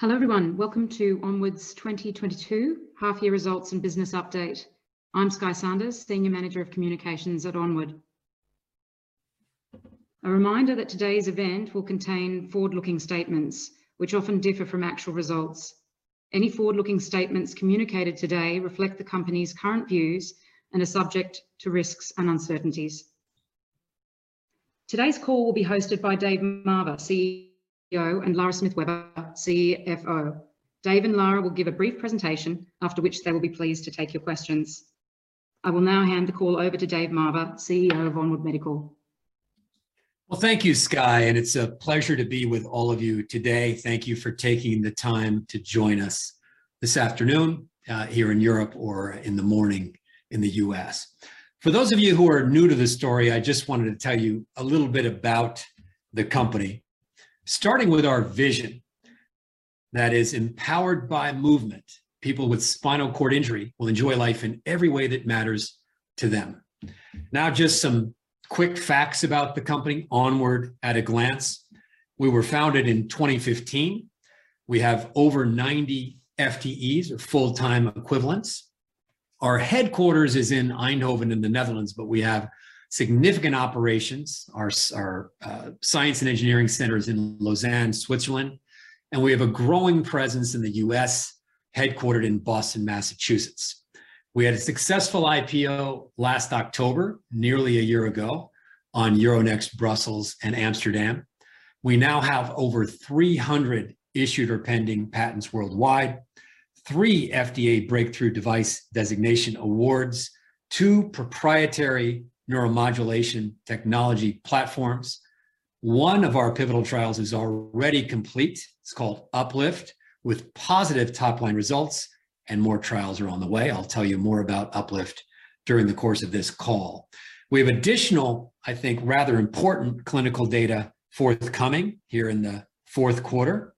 Hello, everyone. Welcome to Onward's 2022 Half Year Results and Business Update. I'm Skye Sanders, senior manager of communications at Onward. A reminder that today's event will contain forward-looking statements which often differ from actual results. Any forward-looking statements communicated today reflect the company's current views and are subject to risks and uncertainties. Today's call will be hosted by Dave Marver, CEO, and Lara Smith Weber, CFO. Dave and Lara will give a brief presentation after which they will be pleased to take your questions. I will now hand the call over to Dave Marver, CEO of Onward Medical. Well, thank you, Skye, it's a pleasure to be with all of you today. Thank you for taking the time to join us this afternoon, here in Europe or in the morning in the U.S. For those of you who are new to this story, I just wanted to tell you a little bit about the company, starting with our vision, that is empowered by movement. People with spinal cord injury will enjoy life in every way that matters to them. Just some quick facts about the company, Onward at a glance. We were founded in 2015. We have over 90 FTEs or full-time equivalents. Our headquarters is in Eindhoven in the Netherlands, we have significant operations. Our science and engineering center is in Lausanne, Switzerland, we have a growing presence in the U.S., headquartered in Boston, Massachusetts. We had a successful IPO last October, nearly a year ago, on Euronext Brussels and Amsterdam. We now have over 300 issued or pending patents worldwide, three FDA Breakthrough Device Designation awards, two proprietary neuromodulation technology platforms. One of our pivotal trials is already complete, it's called UPLIFT, with positive top-line results and more trials are on the way. I'll tell you more about UPLIFT during the course of this call. We have additional, I think, rather important clinical data forthcoming here in the 4th quarter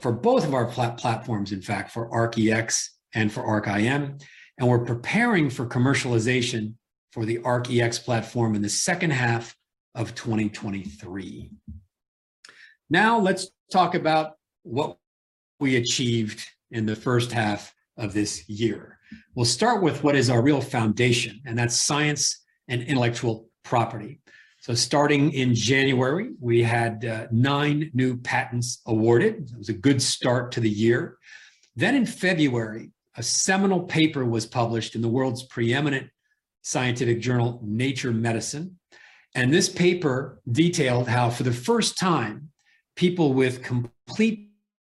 for both of our platforms in fact, for ARC-EX and for ARC-IM, and we're preparing for commercialization for the ARC-EX platform in the second half of 2023. Let's talk about what we achieved in the first half of this year. We'll start with what is our real foundation, and that's science and intellectual property. Starting in January, we had nine new patents awarded. It was a good start to the year. In February, a seminal paper was published in the world's preeminent scientific journal, Nature Medicine, and this paper detailed how for the first time, people with complete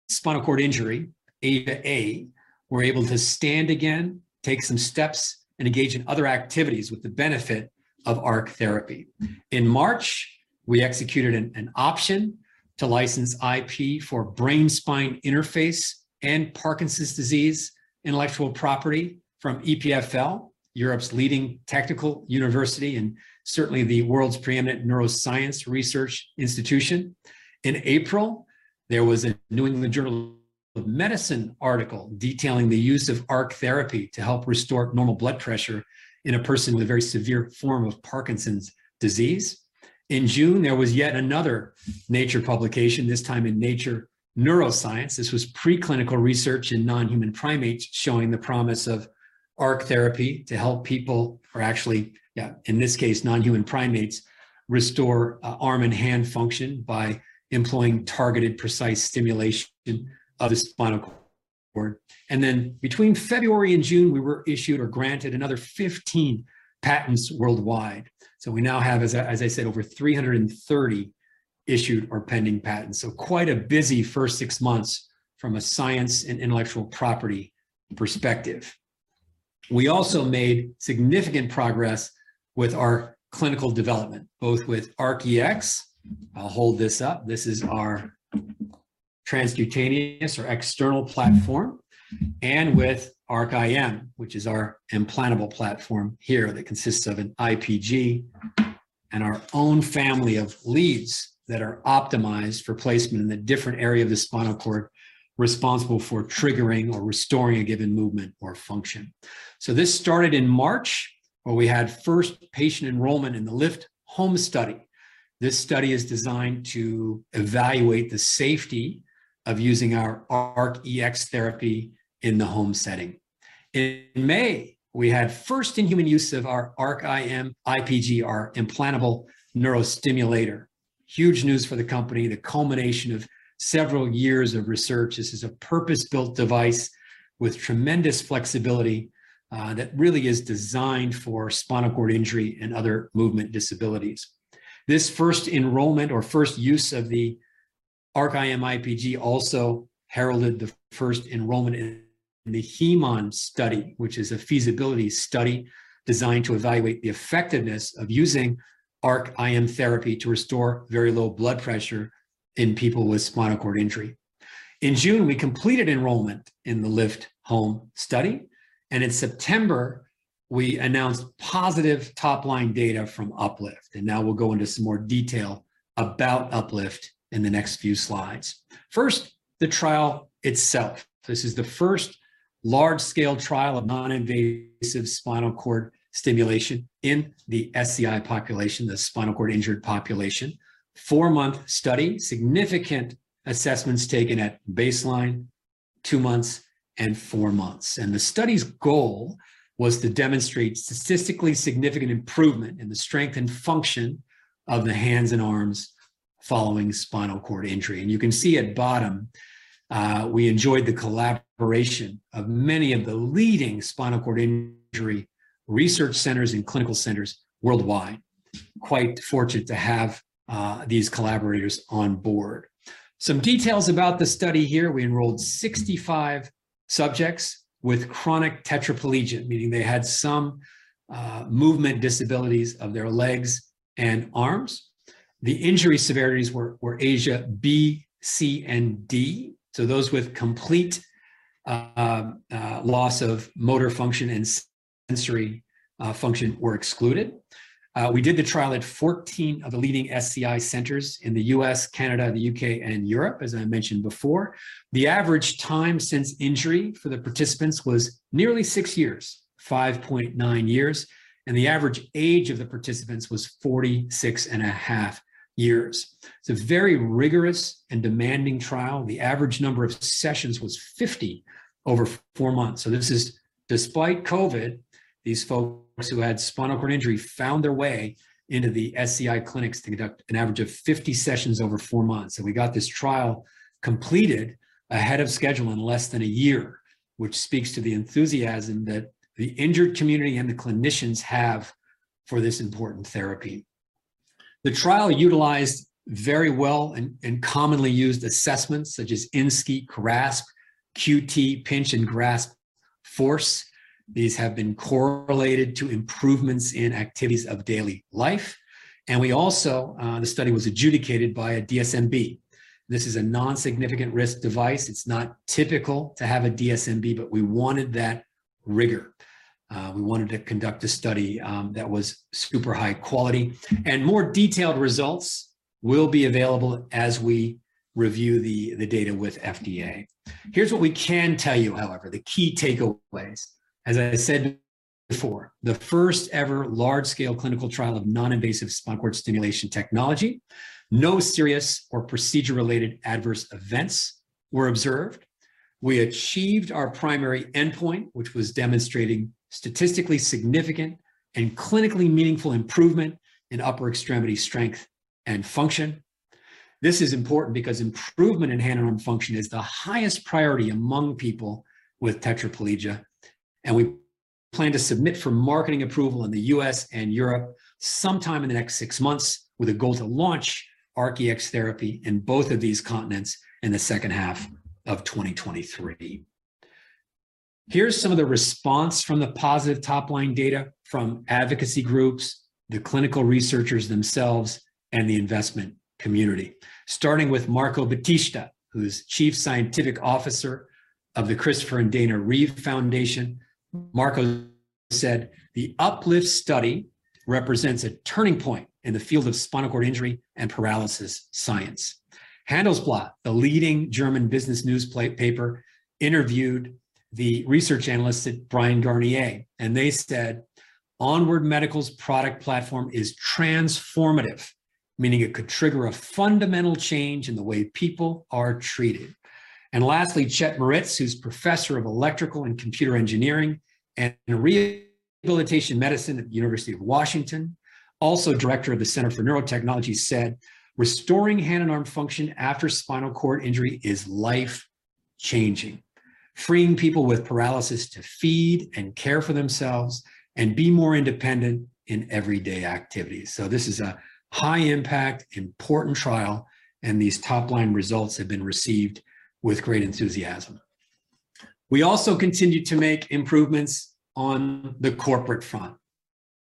spinal cord injury, AIS A, were able to stand again, take some steps, and engage in other activities with the benefit of ARC Therapy. In March, we executed an option to license IP for brain-spine interface and Parkinson's disease intellectual property from EPFL, Europe's leading technical university and certainly the world's preeminent neuroscience research institution. In April, there was a New England Journal of Medicine article detailing the use of ARC Therapy to help restore normal blood pressure in a person with a very severe form of Parkinson's disease. In June, there was yet another Nature publication, this time in Nature Neuroscience. This was preclinical research in non-human primates showing the promise of ARC Therapy to help people or actually, yeah, in this case, non-human primates restore a arm and hand function by employing targeted precise stimulation of the spinal cord. Between February and June, we were issued or granted another 15 patents worldwide. We now have as I said, over 330 issued or pending patents. Quite a busy first six months from a science and intellectual property perspective. We also made significant progress with our clinical development, both with ARC-EX. I'll hold this up. This is our transcutaneous or external platform, and with ARC-IM, which is our implantable platform here that consists of an IPG and our own family of leads that are optimized for placement in the different area of the spinal cord responsible for triggering or restoring a given movement or function. This started in March, where we had first patient enrollment in the LIFT Home study. This study is designed to evaluate the safety of using our ARC-EX therapy in the home setting. In May, we had first in-human use of our ARC-IM IPG, our implantable neurostimulator. Huge news for the company, the culmination of several years of research. This is a purpose-built device with tremendous flexibility that really is designed for spinal cord injury and other movement disabilities. This first enrollment or first use of the ARC-IM IPG also heralded the first enrollment in the HEMON study, which is a feasibility study designed to evaluate the effectiveness of using ARC-IM therapy to restore very low blood pressure in people with spinal cord injury. In June, we completed enrollment in the LIFT Home study. In September, we announced positive top-line data from UPLIFT. Now we'll go into some more detail about UPLIFT in the next few slides. First, the trial itself. This is the first large-scale trial of noninvasive spinal cord stimulation in the SCI population, the spinal cord injured population. Four-month study, significant assessments taken at baseline 2 months and 4 months. The study's goal was to demonstrate statistically significant improvement in the strength and function of the hands and arms following spinal cord injury. You can see at bottom, we enjoyed the collaboration of many of the leading spinal cord injury research centers and clinical centers worldwide. Quite fortunate to have these collaborators on board. Some details about the study here. We enrolled 65 subjects with chronic tetraplegia, meaning they had some movement disabilities of their legs and arms. The injury severities were ASIA B, C, and D, so those with complete loss of motor function and sensory function were excluded. We did the trial at 14 of the leading SCI centers in the U.S., Canada, the U.K., and Europe, as I mentioned before. The average time since injury for the participants was nearly six years, five point nine years, and the average age of the participants was 46.5 Years. It's a very rigorous and demanding trial. The average number of sessions was 50 over four months. This is despite COVID, these folks who had spinal cord injury found their way into the SCI clinics to conduct an average of 50 sessions over four months. We got this trial completed ahead of schedule in less than one year, which speaks to the enthusiasm that the injured community and the clinicians have for this important therapy. The trial utilized very well and commonly used assessments such as ISNCSCI, GRASSP, CUE-T, pinch and grasp force. These have been correlated to improvements in activities of daily life. We also the study was adjudicated by a DSMB. This is a non-significant risk device. It's not typical to have a DSMB, but we wanted that rigor. We wanted to conduct a study that was super high quality. More detailed results will be available as we review the data with FDA. Here's what we can tell you, however. The key takeaways. As I said before, the first ever large-scale clinical trial of non-invasive spinal cord stimulation technology. No serious or procedure-related adverse events were observed. We achieved our primary endpoint, which was demonstrating statistically significant and clinically meaningful improvement in upper extremity strength and function. This is important because improvement in hand and arm function is the highest priority among people with tetraplegia, and we plan to submit for marketing approval in the U.S. and Europe sometime in the next six months with a goal to launch ARC-EX Therapy in both of these continents in the second half of 2023. Here's some of the response from the positive top-line data from advocacy groups, the clinical researchers themselves, and the investment community. Starting with Marco Baptista, who's Chief Scientific Officer of the Christopher & Dana Reeve Foundation. Marco said, "The UPLIFT study represents a turning point in the field of spinal cord injury and paralysis science." Handelsblatt, the leading German business paper, interviewed the research analyst at Bryan Garnier, they said, "Onward Medical's product platform is transformative, meaning it could trigger a fundamental change in the way people are treated." Lastly, Chet Moritz, who's Professor of Electrical and Computer Engineering and Rehabilitation Medicine at the University of Washington, also Director of the Center for Neurotechnology, said, "Restoring hand and arm function after spinal cord injury is life-changing, freeing people with paralysis to feed and care for themselves and be more independent in everyday activities." This is a high impact, important trial, and these top-line results have been received with great enthusiasm. We also continue to make improvements on the corporate front,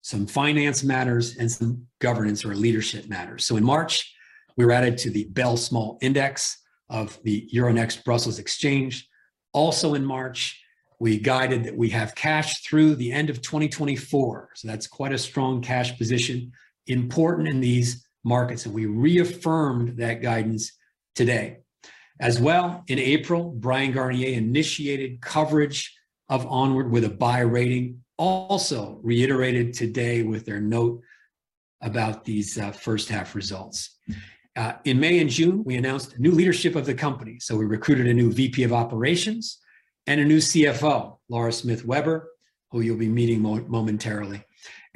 some finance matters and some governance or leadership matters. In March, we were added to the BEL Small Index of the Euronext Brussels exchange. Also in March, we guided that we have cash through the end of 2024. That's quite a strong cash position, important in these markets. We reaffirmed that guidance today. As well, in April, Bryan Garnier initiated coverage of Onward with a buy rating, also reiterated today with their note about these first half results. In May and June, we announced new leadership of the company. We recruited a new VP of operations and a new CFO, Lara Smith Weber, who you'll be meeting momentarily.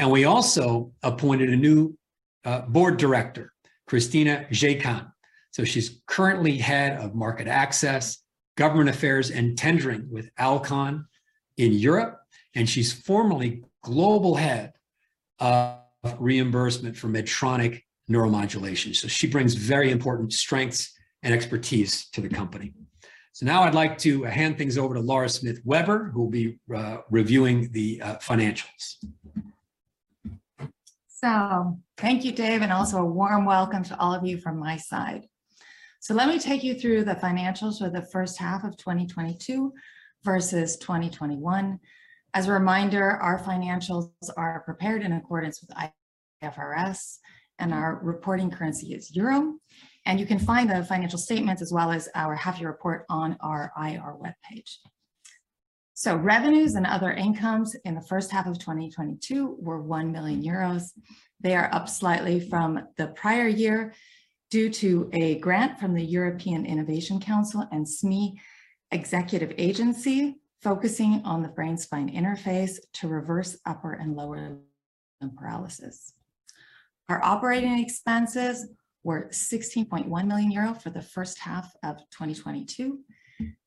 We also appointed a new board director, Kristina Dziekan. She's currently head of market access, government affairs, and tendering with Alcon in Europe, and she's formerly Global Head of Reimbursement for Medtronic Neuromodulation. She brings very important strengths and expertise to the company. Now I'd like to hand things over to Lara Smith Weber, who will be reviewing the financials. Thank you, Dave, and also a warm welcome to all of you from my side. Let me take you through the financials for the first half of 2022 versus 2021. As a reminder, our financials are prepared in accordance with IFRS and our reporting currency is euro. You can find the financial statements as well as our half year report on our IR webpage. Revenues and other incomes in the first half of 2022 were 1 million euros. They are up slightly from the prior year due to a grant from the European Innovation Council and SMEs Executive Agency, focusing on the brain-spine interface to reverse upper and lower limb paralysis. Our operating expenses were 16.1 million euro for the first half of 2022,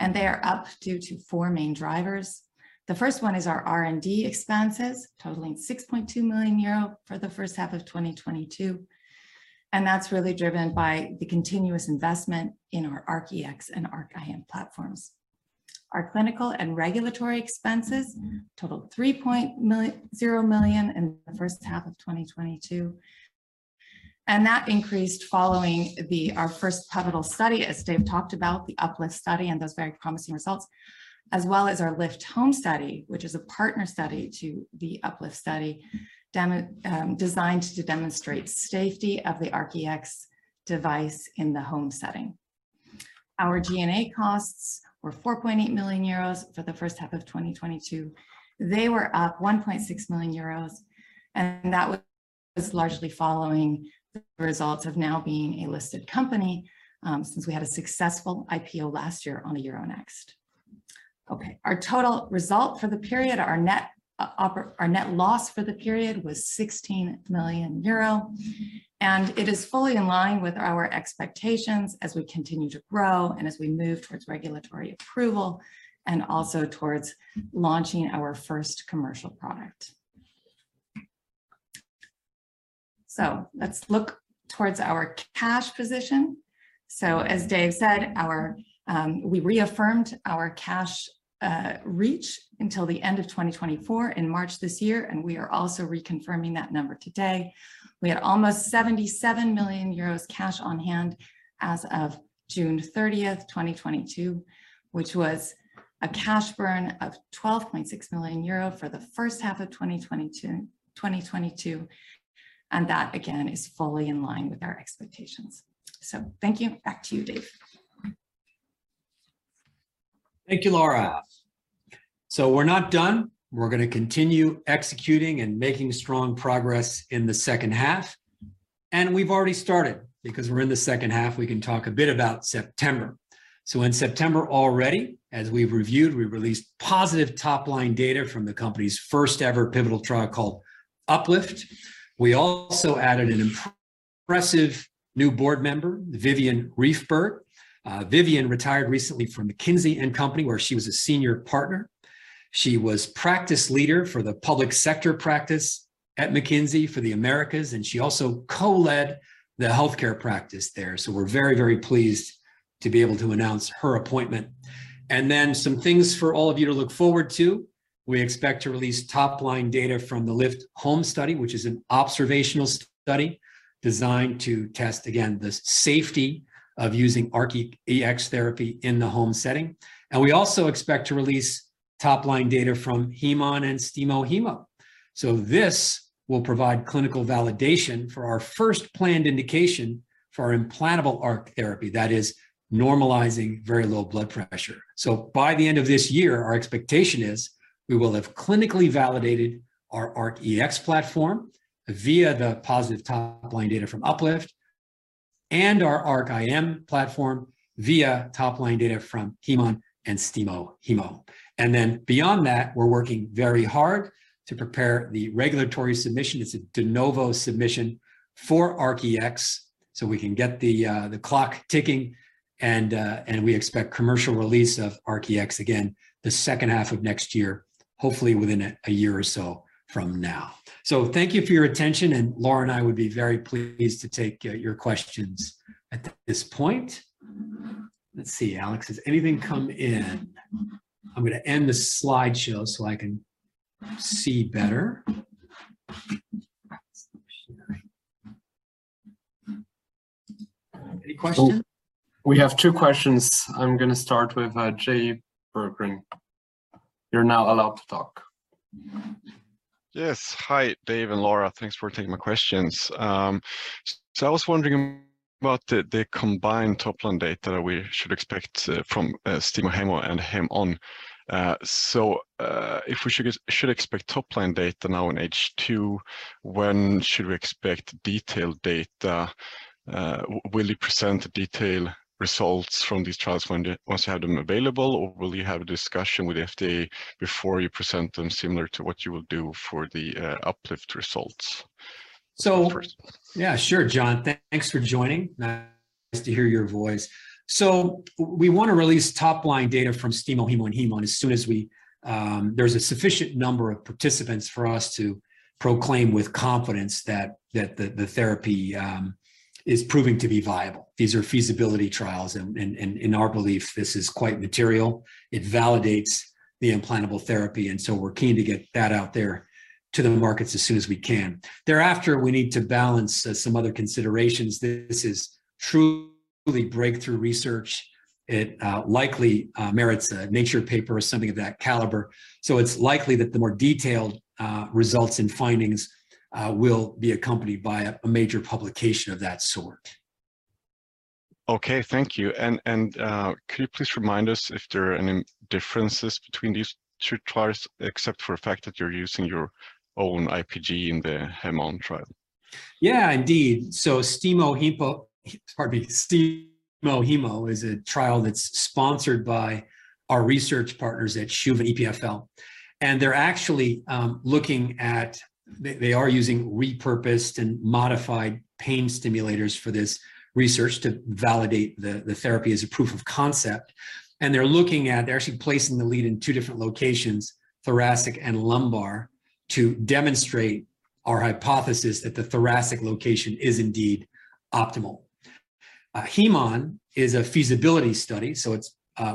and they are up due to four main drivers. The first one is our R&D expenses, totaling 6.2 million euro for the first half of 2022, and that's really driven by the continuous investment in our ARC-EX and ARC-IM platforms. Our clinical and regulatory expenses totaled 3.0 million in the first half of 2022, and that increased following our first pivotal study, as Dave talked about, the UPLIFT study, and those very promising results, as well as our LIFT Home study, which is a partner study to the UPLIFT study designed to demonstrate safety of the ARC-EX device in the home setting. Our G&A costs were 4.8 million euros for the first half of 2022. They were up 1.6 million euros, that was largely following the results of now being a listed company, since we had a successful IPO last year on the Eur1xt. Our total result for the period, our net loss for the period was 16 million euro, it is fully in line with our expectations as we continue to grow and as we move towards regulatory approval and also towards launching our first commercial product. Let's look towards our cash position. As Dave said, we reaffirmed our cash reach until the end of 2024 in March this year, we are also reconfirming that number today. We had almost 77 million euros cash on hand as of June 30th, 2022, which was a cash burn of 12.6 million euro for the first half of 2022. That again is fully in line with our expectations. Thank you. Back to you, Dave. Thank you, Lara. We're not done. We're gonna continue executing and making strong progress in the second half, and we've already started. Because we're in the second half, we can talk a bit about September. In September already, as we've reviewed, we released positive top-line data from the company's first ever pivotal trial called UPLIFT. We also added an impressive new board member, Vivian Riefberg. Vivian retired recently from McKinsey & Company, where she was a senior partner. She was practice leader for the public sector practice at McKinsey for the Americas, and she also co-led the healthcare practice there. We're very pleased to be able to announce her appointment. Some things for all of you to look forward to, we expect to release top-line data from the LIFT Home study, which is an observational study designed to test again the safety of using ARC-EX Therapy in the home setting. We also expect to release top-line data from HEMON and STIMO-HEMO. This will provide clinical validation for our first planned indication for our implantable ARC Therapy that is normalizing very low blood pressure. By the end of this year, our expectation is we will have clinically validated our ARC-EX platform via the positive top-line data from UPLIFT and our ARC-IM platform via top-line data from HEMON and STIMO-HEMO. Beyond that, we're working very hard to prepare the regulatory submission. It's a De Novo submission for ARC-EX. We can get the clock ticking and we expect commercial release of ARC-EX again the second half of next year, hopefully within a year or so from now. Thank you for your attention, and Lara and I would be very pleased to take your questions at this point. Let's see, Alex, has anything come in? I'm gonna end the slideshow so I can see better. Stop sharing. Any questions? We have two questions. I'm gonna start with Jay Berggren. You're now allowed to talk. Yes. Hi, Dave and Lara. Thanks for taking my questions. I was wondering about the combined top-line data we should expect from STIMO-HEMO and HEMON. If we should expect top-line data now in H2, when should we expect detailed data? Will you present the detail results from these trials once you have them available, or will you have a discussion with the FDA before you present them similar to what you will do for the UPLIFT results? So- First. Yeah, sure, John. Thanks for joining. Nice to hear your voice. We wanna release top-line data from STIMO-HEMO and HEMON as soon as we there's a sufficient number of participants for us to proclaim with confidence that the therapy is proving to be viable. These are feasibility trials and in our belief, this is truly breakthrough research, it likely merits a Nature paper or something of that caliber. It's likely that the more detailed results and findings will be accompanied by a major publication of that sort. Okay, thank you. Could you please remind us if there are any differences between these two trials, except for the fact that you're using your own IPG in the HEMON trial? Indeed. STIMO-HEMO is a trial that's sponsored by our research partners at CHUV EPFL. They are actually using repurposed and modified pain stimulators for this research to validate the therapy as a proof of concept, they are actually placing the lead in two different locations, thoracic and lumbar, to demonstrate our hypothesis that the thoracic location is indeed optimal. HEMON is a feasibility study, it's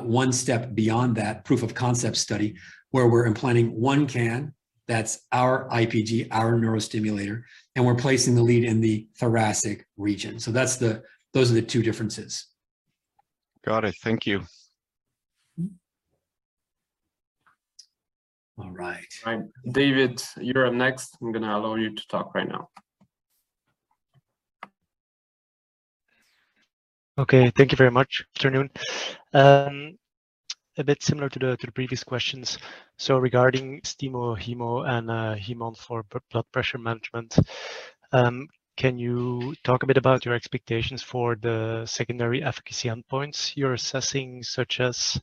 one step beyond that proof of concept study where we're implanting one can, that's our IPG, our neurostimulator, we're placing the lead in the thoracic region. Those are the two differences. Got it. Thank you. Mm-hmm. All right. All right. David, you're up next. I'm gonna allow you to talk right now. Okay. Thank you very much. Afternoon. A bit similar to the previous questions. Regarding STIMO-HEMO and HEMON for blood pressure management, can you talk a bit about your expectations for the secondary efficacy endpoints you're assessing, such as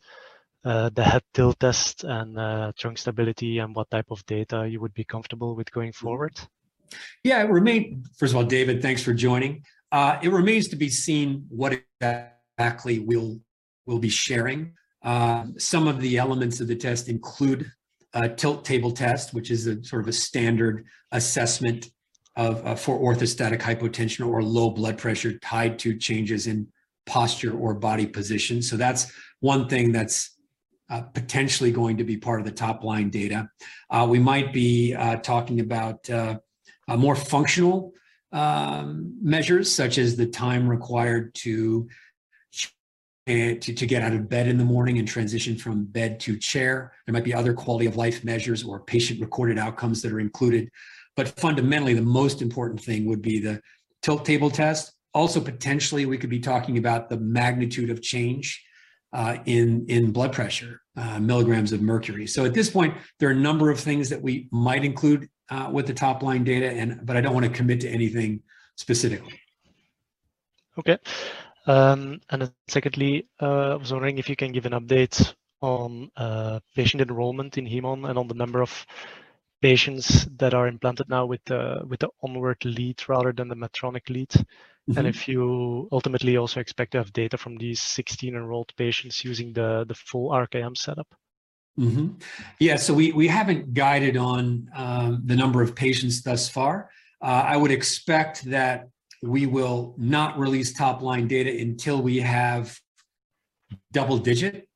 the head tilt test and trunk stability, and what type of data you would be comfortable with going forward? Yeah. It. First of all, David, thanks for joining. It remains to be seen what exactly we'll be sharing. Some of the elements of the test include a tilt table test, which is a sort of a standard assessment of for orthostatic hypotension or low blood pressure tied to changes in posture or body position. That's 1 thing that's potentially going to be part of the top-line data. We might be talking about a more functional measures such as the time required to get out of bed in the morning and transition from bed to chair. There might be other quality-of-life measures or patient-recorded outcomes that are included. Fundamentally, the most important thing would be the tilt table test. Potentially we could be talking about the magnitude of change in blood pressure, milligrams of mercury. At this point, there are a number of things that we might include with the top-line data. I don't wanna commit to anything specifically. Okay. Secondly, I was wondering if you can give an update on patient enrollment in HEMON and on the number of patients that are implanted now with the Onward lead rather than the Medtronic lead? Mm-hmm. If you ultimately also expect to have data from these 16 enrolled patients using the full RKM setup. Yeah. We haven't guided on the number of patients thus far. I would expect that we will not release top-line data until we have double-digit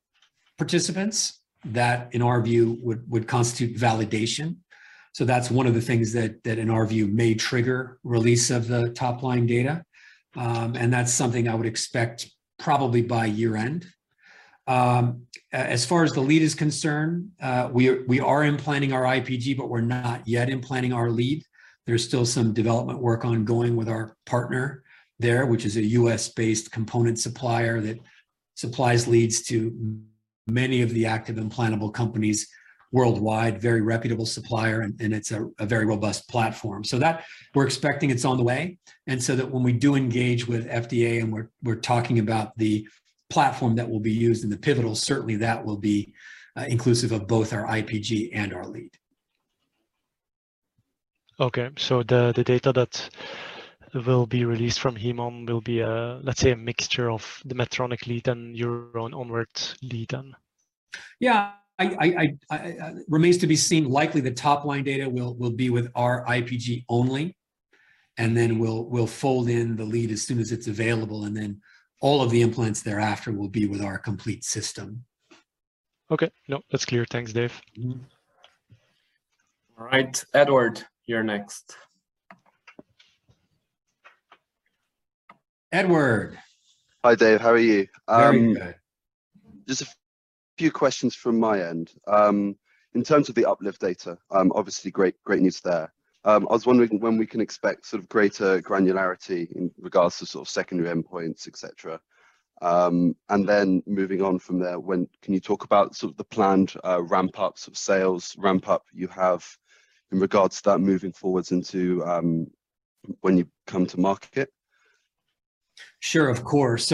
participants that in our view would constitute validation. That's 1 of the things that in our view may trigger release of the top-line data. That's something I would expect probably by year-end. As far as the lead is concerned, we are implanting our IPG, but we're not yet implanting our lead. There's still some development work ongoing with our partner there, which is a U.S.-based component supplier that supplies leads to many of the active implantable companies worldwide. Very reputable supplier, and it's a very robust platform. We're expecting it's on the way, and so that when we do engage with FDA and we're talking about the platform that will be used in the pivotal, certainly that will be inclusive of both our IPG and our lead. Okay. The data that will be released from HEMON will be a, let's say, a mixture of the Medtronic lead and your own Onward lead then. Yeah. Remains to be seen. Likely, the top-line data will be with our IPG only, then we'll fold in the lead as soon as it's available, then all of the implants thereafter will be with our complete system. Okay. Nope. That's clear. Thanks, Dave. Mm-hmm. All right. Edward, you're next. Edward. Hi, Dave. How are you? Very good. Just a few questions from my end. In terms of the UPLIFT data, obviously great news there. I was wondering when we can expect sort of greater granularity in regards to sort of secondary endpoints, et cetera. Then moving on from there, when can you talk about sort of the planned ramp-ups of sales, ramp-up you have in regards to that moving forwards into when you come to market? Sure, of course.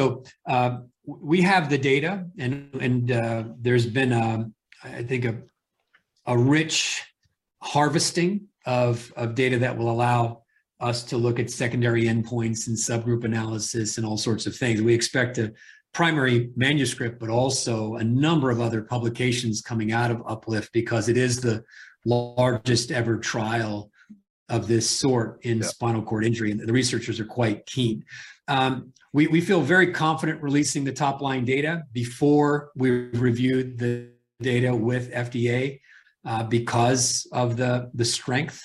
We have the data and there's been, I think a rich harvesting of data that will allow us to look at secondary endpoints and subgroup analysis and all sorts of things. We expect a primary manuscript, but also a number of other publications coming out of UPLIFT because it is the largest ever trial of this sort in- Yeah spinal cord injury. The researchers are quite keen. We feel very confident releasing the top-line data before we've reviewed the data with FDA because of the strength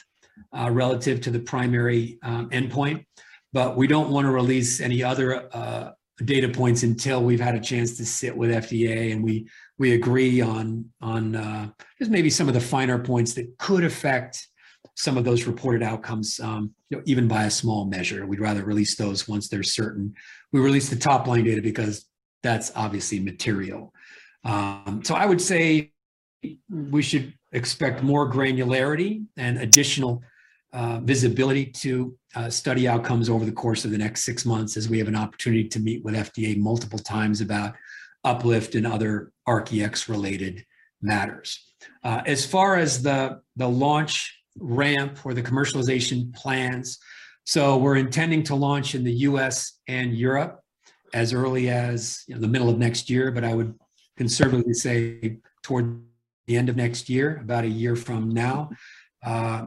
relative to the primary endpoint. We don't wanna release any other data points until we've had a chance to sit with FDA, and we agree on just maybe some of the finer points that could affect some of those reported outcomes, you know, even by a small measure. We'd rather release those once they're certain. We released the top-line data because that's obviously material. I would say we should expect more granularity and additional visibility to study outcomes over the course of the next six months as we have an opportunity to meet with FDA multiple times about UPLIFT and other ARC-EX related matters. As far as the launch ramp or the commercialization plans, we're intending to launch in the U.S. and Europe as early as, you know, the middle of next year. I would conservatively say toward the end of next year, about a year from now.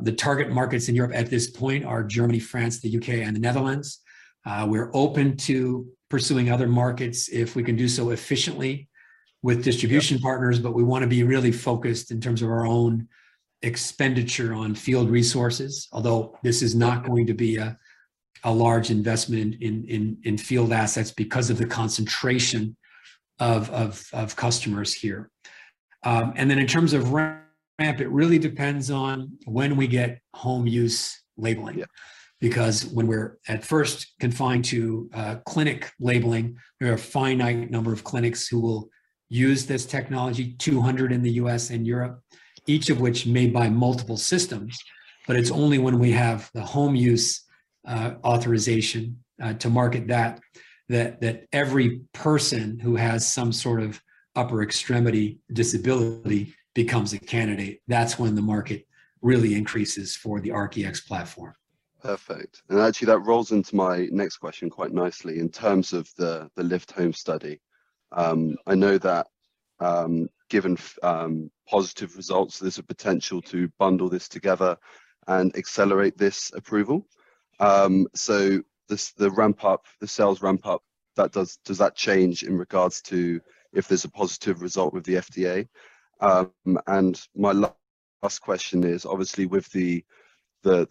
The target markets in Europe at this point are Germany, France, the U.K., and the Netherlands. We're open to pursuing other markets if we can do so efficiently with distribution partners, but we wanna be really focused in terms of our own expenditure on field resources. This is not going to be a large investment in field assets because of the concentration of customers here. In terms of ramp, it really depends on when we get home use labeling. Yeah. When we're at first confined to clinic labeling, there are a finite number of clinics who will use this technology, 200 in the U.S. and Europe, each of which may buy multiple systems. It's only when we have the home use authorization to market that every person who has some sort of upper extremity disability becomes a candidate. That's when the market really increases for the ARC-EX platform. Perfect. Actually, that rolls into my next question quite nicely. In terms of the LIFT Home study, I know that, given positive results, there's a potential to bundle this together and accelerate this approval. The ramp up, the sales ramp up, that does... Does that change in regards to if there's a positive result with the FDA? My last question is, obviously, with the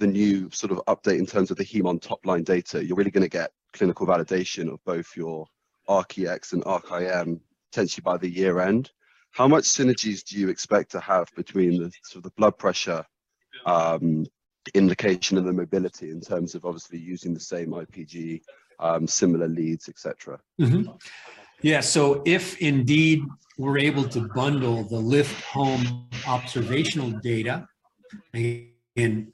new sort of update in terms of the HEMON top-line data, you're really gonna get clinical validation of both your ARC-EX and ARC-IM potentially by the year-end. How much synergies do you expect to have between the sort of blood pressure indication and the mobility in terms of obviously using the same IPG, similar leads, et cetera? Yeah. If indeed we're able to bundle the LIFT Home observational data, and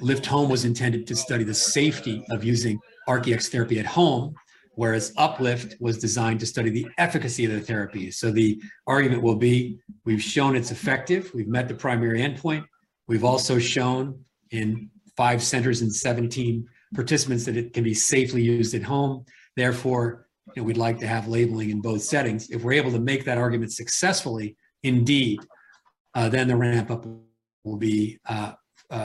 LIFT Home was intended to study the safety of using ARC-EX Therapy at home, whereas UPLIFT was designed to study the efficacy of the therapy. The argument will be, we've shown it's effective, we've met the primary endpoint. We've also shown in five centers in 17 participants that it can be safely used at home. Therefore, you know, we'd like to have labeling in both settings. If we're able to make that argument successfully, indeed, then the ramp up will be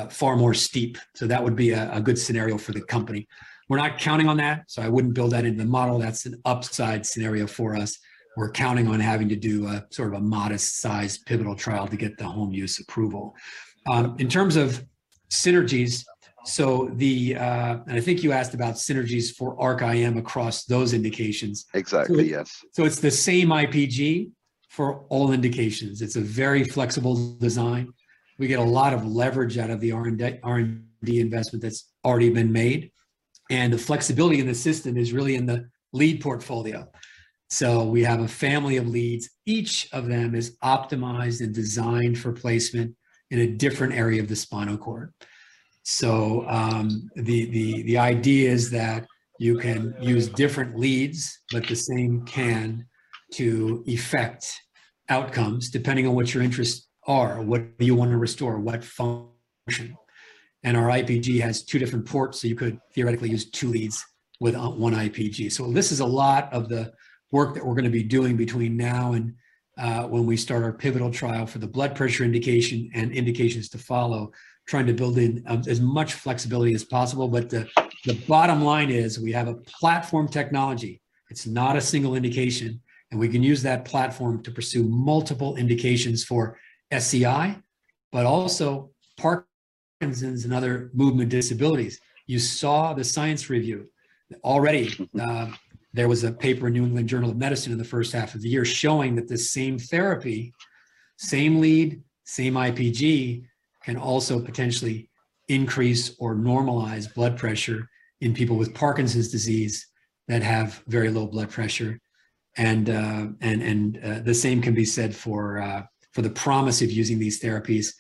far more steep. That would be a good scenario for the company. We're not counting on that, so I wouldn't build that into the model. That's an upside scenario for us. We're counting on having to do a sort of a modest-sized pivotal trial to get the home use approval. In terms of synergies, I think you asked about synergies for ARC-IM across those indications. Exactly, yes. It's the same IPG for all indications. It's a very flexible design. We get a lot of leverage out of the R&D, R&D investment that's already been made, and the flexibility in the system is really in the lead portfolio. We have a family of leads. Each of them is optimized and designed for placement in a different area of the spinal cord. The idea is that you can use different leads, but the same can to effect outcomes depending on what you r interests are, what you want to restore, what function. Our IPG has two different ports, so you could theoretically use two leads with one IPG. This is a lot of the work that we're gonna be doing between now and when we start our pivotal trial for the blood pressure indication and indications to follow, trying to build in as much flexibility as possible. The bottom line is we have a platform technology. It's not a single indication, and we can use that platform to pursue multiple indications for SCI, but also Parkinson's and other movement disabilities. You saw the science review. Already, there was a paper in The New England Journal of Medicine in the first half of the year showing that the same therapy, same lead, same IPG, can also potentially increase or normalize blood pressure in people with Parkinson's disease that have very low blood pressure. The same can be said for the promise of using these therapies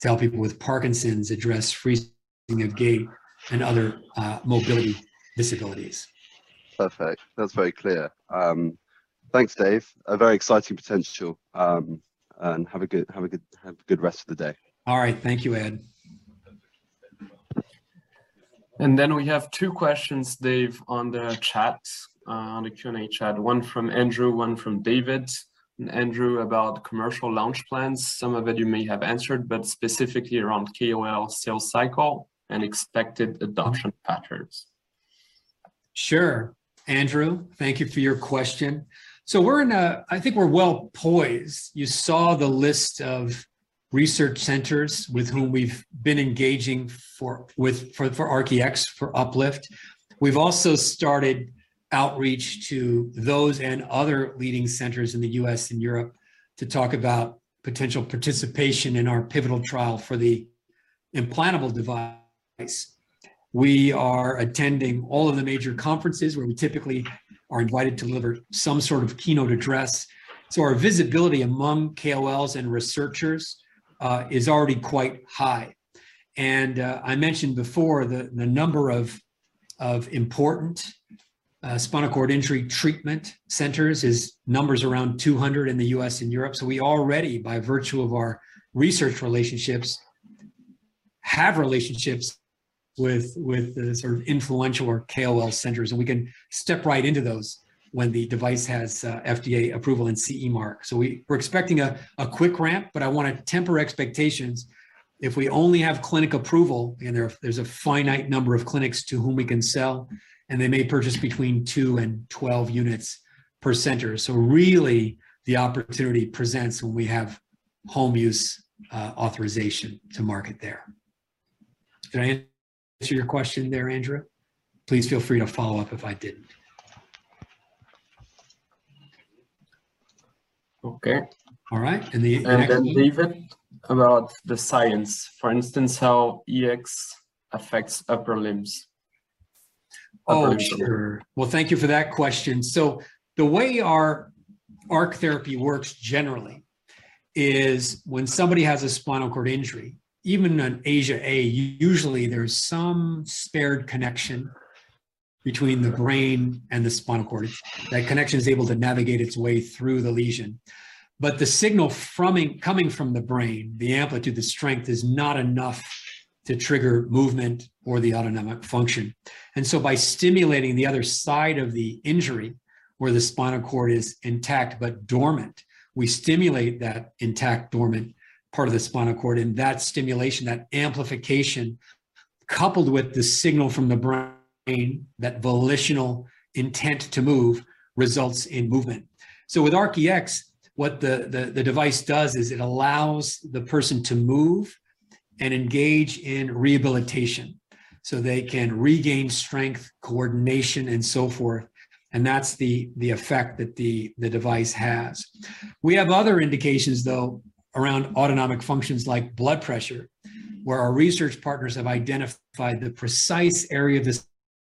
to help people with Parkinson's address freezing of gait and other mobility disabilities. Perfect. That's very clear. Thanks, Dave. A very exciting potential, and have a good rest of the day. All right. Thank you, Ed. We have two questions, Dave, on the chat, on the Q&A chat, one from Andrew, one from David. Andrew about commercial launch plans. Some of it you may have answered, but specifically around KOL sales cycle and expected adoption patterns. Sure. Andrew, thank you for your question. I think we're well poised. You saw the list of research centers with whom we've been engaging for ARC-EX, for UPLIFT. We've also started outreach to those and other leading centers in the U.S. and Europe to talk about potential participation in our pivotal trial for the implantable device. We are attending all of the major conferences where we typically are invited to deliver some sort of keynote address. Our visibility among KOLs and researchers is already quite high. I menti1d before the number of important spinal cord injury treatment centers is numbers around 200 in the U.S. and Europe. We already, by virtue of our research relationships, have relationships with the sort of influential or KOL centers, and we can step right into those when the device has FDA approval and CE mark. We're expecting a quick ramp, but I wanna temper expectations. If we only have clinic approval, there's a finite number of clinics to whom we can sell, and they may purchase between two and 12 units per center. Really the opportunity presents when we have home use authorization to market there. Did I answer your question there, Andrew? Please feel free to follow up if I didn't. Okay. All right. The next one. David, about the science, for instance, how EX affects upper limbs. Oh, sure. Well, thank you for that question. The way our ARC Therapy works generally is when somebody has a spinal cord injury, even an AIS A, usually there's some spared connection between the brain and the spinal cord. That connection is able to navigate its way through the lesion. The signal coming from the brain, the amplitude, the strength, is not enough to trigger movement or the autonomic function. By stimulating the other side of the injury, where the spinal cord is intact but dormant, we stimulate that intact, dormant part of the spinal cord, and that stimulation, that amplification, coupled with the signal from the brain, that volitional intent to move, results in movement. With ARC-EX, what the device does is it allows the person to move and engage in rehabilitation, they can regain strength, coordination, and so forth, and that's the effect that the device has. We have other indications, though, around autonomic functions like blood pressure, where our research partners have identified the precise area of the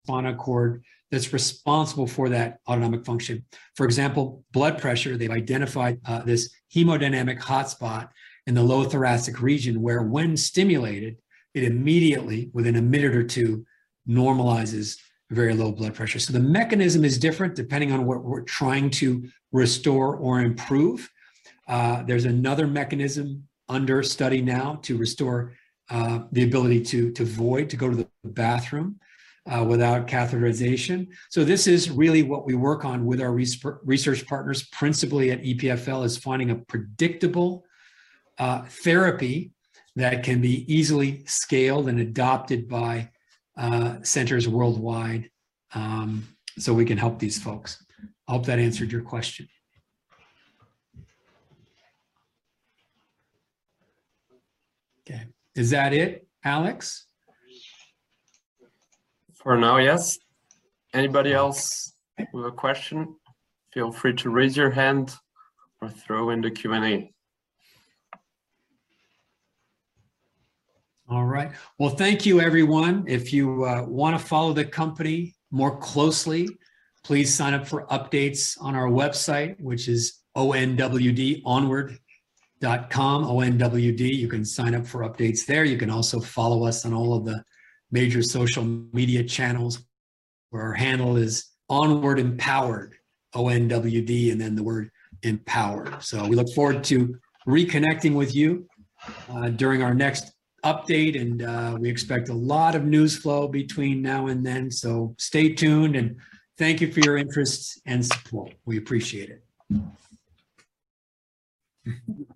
spinal cord that's responsible for that autonomic function. For example, blood pressure, they've identified this hemodynamic hotspot in the low thoracic region where, when stimulated, it immediately, within one or two min, normalizes very low blood pressure. The mechanism is different depending on what we're trying to restore or improve. There's another mechanism under study now to restore the ability to void, to go to the bathroom, without catheterization. This is really what we work on with our research partners, principally at EPFL, is finding a predictable therapy that can be easily scaled and adopted by centers worldwide, so we can help these folks. I hope that answered your question. Okay. Is that it, Alex? For now, yes. Anybody else with a question, feel free to raise your hand or throw in the Q&A. All right. Well, thank you everyone. If you wanna follow the company more closely, please sign up for updates on our website, which is O-N-W-D, onward.com, O-N-W-D. You can sign up for updates there. You can also follow us on all of the major social media channels, where our handle is onwardempowered, O-N-W-D, and then the word empowered. We look forward to reconnecting with you during our next update, and we expect a lot of news flow between now and then. Stay tuned, and thank you for your interest and support. We appreciate it.